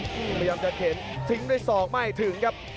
พยายามจะเข็นทิ้งด้วยศอกไม่ถึงครับ